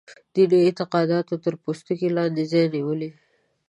دیني اعتقاداتو تر پوستکي لاندې ځای نیولی.